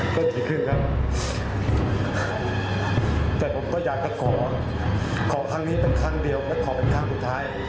ก็ดีขึ้นครับแต่ผมก็อยากจะขอขอครั้งนี้เป็นครั้งเดียวและขอเป็นครั้งสุดท้าย